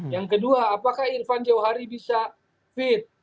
yang kedua apakah irfan jauhari bisa fit